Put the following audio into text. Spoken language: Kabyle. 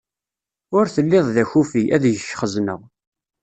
Ur telliḍ d akufi, ad deg-k xezzneɣ!